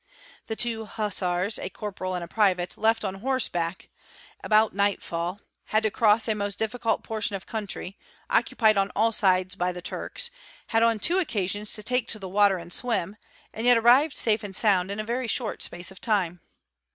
The two hussars,—a corporal and a pri | vate—left on horseback about nightfall, had to cross a most difficult portion of country, occupied on all sides by the Turks, had on two occasions 30 take to the water and swim, and yet arrived safe and sound in a very short space of time.